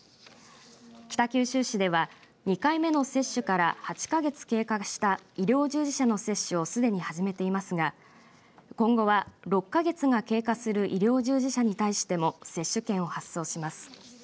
北九州市では２回目の接種から８か月経過した医療従事者の接種をすでに始めていますが今後は、６か月が経過する医療従事者に対しても接種券を発送します。